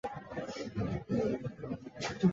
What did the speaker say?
宽瓣毛茛为毛茛科毛茛属下的一个种。